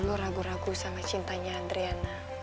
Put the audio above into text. dulu ragu ragu sama cintanya adriana